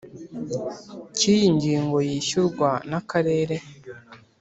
Cy iyi ngingo yishyurwa n akarere